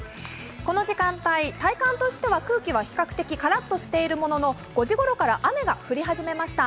この時間帯、体感としては空気は比較的カラッとしているものの５時ごろから雨が降り始めました。